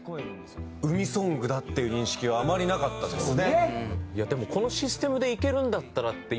海ソングだっていう認識はあまりなかったですね。